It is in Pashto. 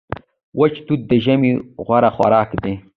وچ توت د ژمي غوره خوراک دی.